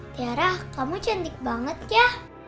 tiara kamu cantik banget ya